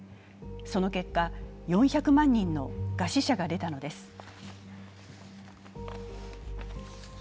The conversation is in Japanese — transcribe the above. その結果、４００万人の餓死者が出たのです。